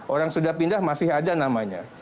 orang sudah pindah masih ada namanya